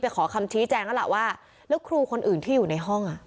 ขอคำชี้แจงแล้วล่ะว่าแล้วครูคนอื่นที่อยู่ในห้องอ่ะ